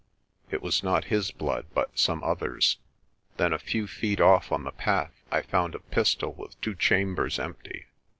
It was not his blood but some other's. Then a few feet off on the path I found a pistol with two chambers empty.